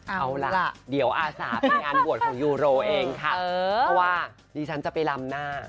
เอาล่ะเดี๋ยวอาสาไปงานบวชของยูโรเองค่ะเพราะว่าดิฉันจะไปลำหน้า